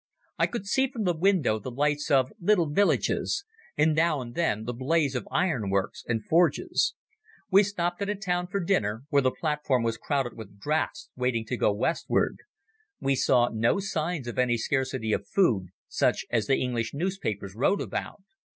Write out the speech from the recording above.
I could see from the window the lights of little villages, and now and then the blaze of ironworks and forges. We stopped at a town for dinner, where the platform was crowded with drafts waiting to go westward. We saw no signs of any scarcity of food, such as the English newspapers wrote about.